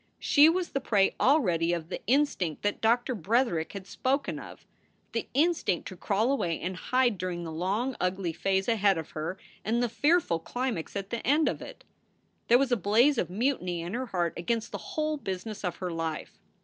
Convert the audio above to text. She was the prey already of the instinct that Doctor Bretherick had spoken of, the instinct to crawl away and hide during the long, ugly phase ahead of her and the fearful climax at the end of it. There was a blaze of mutiny in her heart against the whole business of her life.